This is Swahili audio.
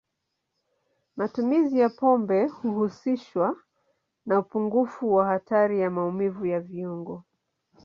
Matumizi ya pombe huhusishwa na upungufu wa hatari ya maumivu ya viungo.